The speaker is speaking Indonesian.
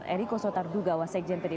eriko sotardugawa sekjen tadi